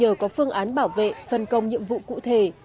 nếu các bạn có phương án bảo vệ phần công nhiệm vụ cụ thể